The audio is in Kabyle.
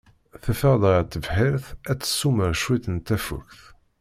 Teffeɣ-d ɣer tebḥirt ad tessumer cwiṭ n tafukt.